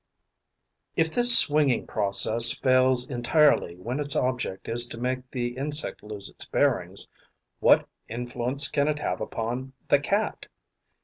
If this swinging process fails entirely when its object is to make the insect lose its bearings, what influence can it have upon the Cat?